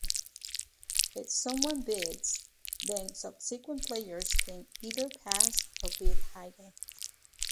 If someone bids, then subsequent players can either pass or bid higher.